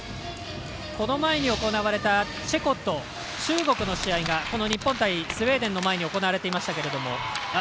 この前に行われたチェコと中国の試合がこの日本対スウェーデンの前に行われていました。